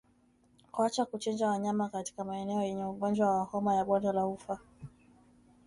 Kuacha kuchinja wanyama katika maeneo yenye ugonjwa wa homa ya bonde la ufa